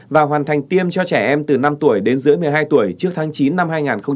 và hoàn thành tiêm cho trẻ em từ năm tuổi đến dưới một mươi hai tuổi trước tháng chín năm hai nghìn hai mươi